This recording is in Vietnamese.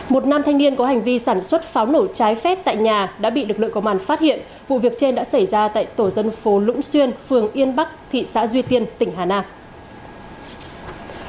một nam thanh niên có hành vi sản xuất pháo nổ trái phép tại nhà đã bị lực lượng công an phát hiện vụ việc trên đã xảy ra tại tổ dân phố lũng xuyên phường yên bắc thị xã duy tiên tỉnh hà nam